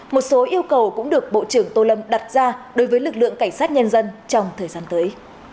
một số yêu cầu cũng được bộ trưởng tô lâm đặt ra đối với lực lượng cảnh sát nhân dân trong thời gian tới